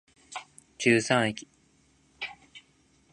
十三駅